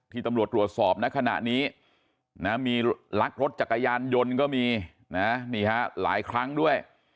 ตำรวจตรวจสอบณขณะนี้มีลักรถจักรยานยนต์ก็มีนะนี่ฮะหลายครั้งด้วย